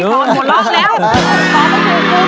ก๊อตต้องหมู่กรู